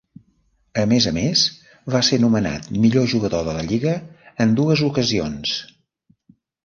A més a més va ser nomenat millor jugador de la lliga en dues ocasions.